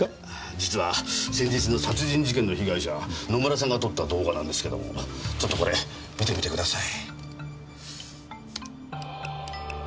実は先日の殺人事件の被害者野村さんが撮った動画なんですけどもちょっとこれ見てみてください。